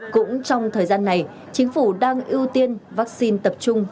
cũng trong thời gian này chính phủ đang ưu tiên vaccine tập trung